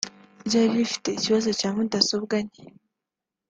ryari rifite ikibazo cya mudasobwa nke